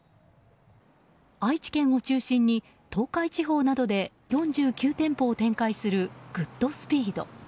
愛知県を中心に東海地方などで４９店舗を展開するグッドスピード。